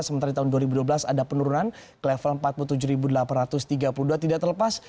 sementara di tahun dua ribu dua belas ada penurunan ke level empat puluh tujuh delapan ratus tiga puluh dua tidak terlepas